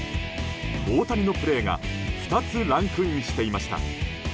大谷のプレーが２つランクインしていました。